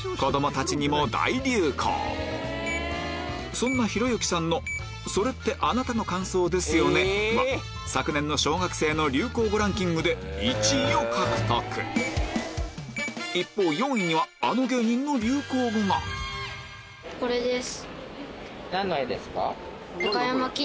そんなひろゆきさんの「それってあなたの感想ですよね？」は昨年の小学生の流行語ランキングで１位を獲得一方４位にはあの芸人の流行語がこれです。